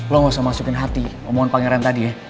lo gak usah masukin hati omongan pangeran tadi ya